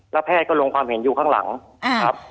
แล้วแพทย์ก็ลงความเห็นอยู่ข้างหลังครับ